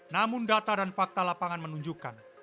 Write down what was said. namun data dan fakta lapangan menunjukkan